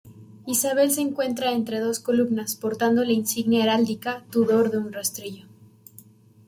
Isabel se encuentra entre dos columnas portando la insignia heráldica Tudor de un rastrillo.